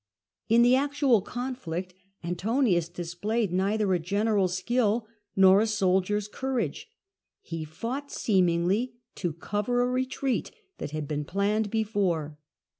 In the actual conflict Antonius displayed neither a generals skill nor a soldier's courage. He fought, seem ingly, to cover a retreat that had been planned before.